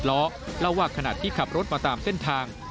ล้อเล่าว่าขณะที่ขับรถมาตามเส้นทาง